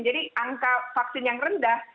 jadi angka vaksin yang rendah